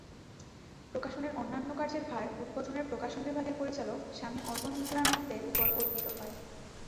প্রকাশনের অন্যান্য কার্যের ভার উদ্বোধনের প্রকাশন বিভাগের পরিচালক স্বামী অতন্দ্রানন্দের উপর অর্পিত হয়।